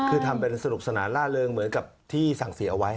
คือทำเป็นสนุกสนานล่าเริงเหมือนกับที่สั่งเสียเอาไว้